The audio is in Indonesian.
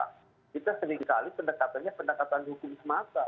kita seringkali pendekatannya pendekatan hukum semata